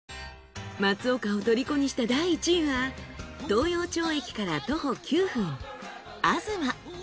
松岡を虜にした第１位は東陽町駅から徒歩９分あづま。